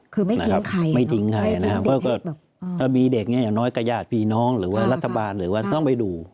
คือไม่ทิ้งใครนะครับไม่ทิ้งใครนะครับถ้ามีเด็กอย่างน้อยกว่าญาติพี่น้องหรือว่ารัฐบาลหรือว่าต้องไปดู